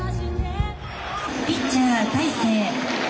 「ピッチャー大勢」。